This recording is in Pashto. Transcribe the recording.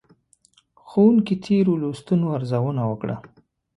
ښوونکي تېرو لوستونو ارزونه وکړه.